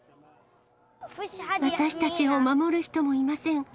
私たちを守る人もいません。